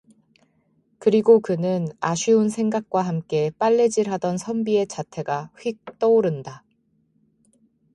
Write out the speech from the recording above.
그리고 그는 아쉬운 생각과 함께 빨래질하던 선비의 자태가 휙 떠오른다.